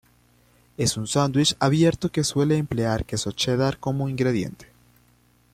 Es un sándwich abierto que suele emplear queso cheddar como ingrediente.